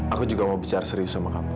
aku juga mau bicara serius sama kamu